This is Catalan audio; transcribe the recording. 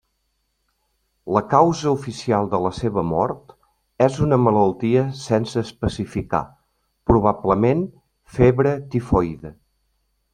La causa oficial de la seva mort és una malaltia sense especificar, probablement febre tifoide.